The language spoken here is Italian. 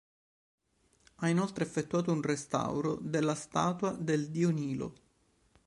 Ha inoltre effettuato un restauro della statua del dio Nilo.